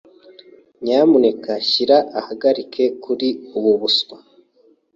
Nyamuneka shyira ahagarike kuri ubu buswa.